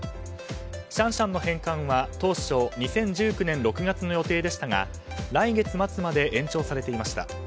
シャンシャンの返還は当初２０１９年６月の予定でしたが来月末まで延長されていました。